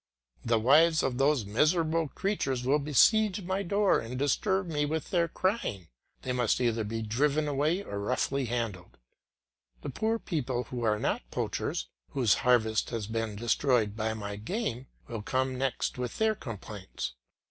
The wives of those miserable creatures will besiege my door and disturb me with their crying; they must either be driven away or roughly handled. The poor people who are not poachers, whose harvest has been destroyed by my game, will come next with their complaints.